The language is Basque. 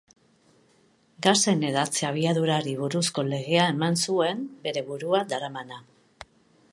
Gasen hedatze-abiadurari buruzko legea eman zuen, bere izena daramana.